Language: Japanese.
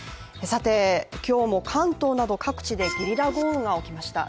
今日も関東など各地でゲリラ豪雨が起きました。